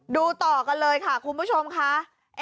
ดูต่อกันเลยค่ะคุณผู้ชมค่ะ